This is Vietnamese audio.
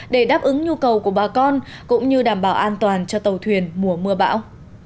để đáp ứng nhu cầu của bà con cũng như đảm bảo an toàn cho tàu thuyền mùa mưa bão